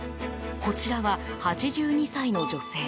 こちらは８２歳の女性。